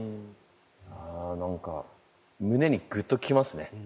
何か胸にグッと来ますね。